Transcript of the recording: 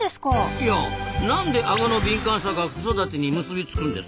いやなんでアゴの敏感さが子育てに結び付くんですか？